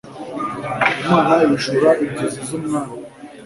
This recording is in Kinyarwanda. Imana ihishura inzozi z umwami